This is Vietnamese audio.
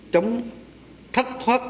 trong thất thoát